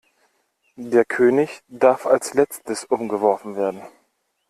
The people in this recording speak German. Der König darf erst als Letztes umgeworfen werden.